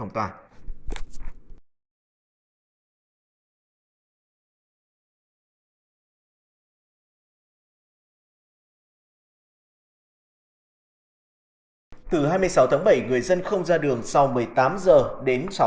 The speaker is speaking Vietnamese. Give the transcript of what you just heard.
từ hai mươi sáu tháng bảy người dân không ra đường sau một mươi tám h đến sáu h sáng ngày hôm sau